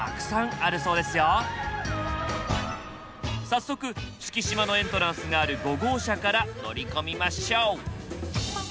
早速四季島のエントランスがある５号車から乗り込みましょう。